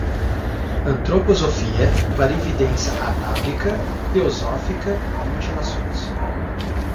antroposofia, clarividência atávica, teosófica, mutilações